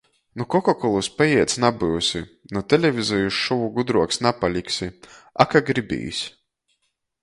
Nu kokakolys paieds nabyusi, nu televizejis šovu gudruoks napaliksi. A ka gribīs.